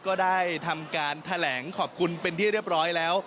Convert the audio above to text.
ก็ได้ทำการแถลงขอบคุณเป็นที่เรียบร้อยแล้ว